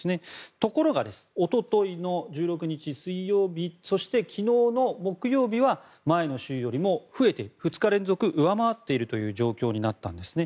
ところが、おとといの１６日、水曜日そして、昨日の木曜日は前の週よりも増えて２日連続上回っているという状況になったんですね。